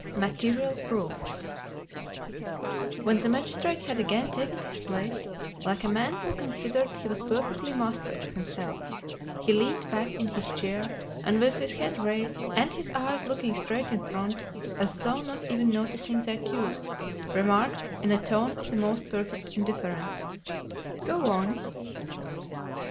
MATERIAL PROOFS When the magistrate had again taken his place, like a man who considered he was perfectly master of himself, he leaned back in his chair, and with his head raised and his eyes looking straight in front, as though not even noticing the accused, remarked, in a tone of the most perfect indifference: "Go on."